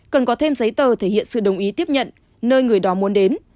cần có thêm giấy tờ thể hiện sự đồng ý tiếp nhận nơi người đó muốn đến